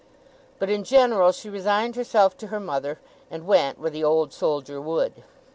But in general she resigned herself to her mother, and went where the Old Soldier would.